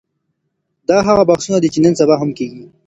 دا هغه بحثونه دي چي نن سبا هم کېږي.